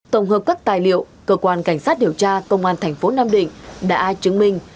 tổng hợp các tài liệu cơ quan cảnh sát điều tra công an tp nam định đã chứng minh